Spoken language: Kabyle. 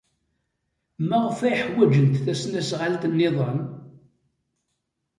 Maɣef ay ḥwajent tasnasɣalt niḍen?